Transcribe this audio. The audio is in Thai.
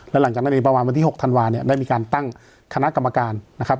แล้วหลังจากนั้นในประมาณวันที่๖ธันวาเนี่ยได้มีการตั้งคณะกรรมการนะครับ